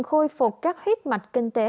khôi phục các huyết mạch kinh tế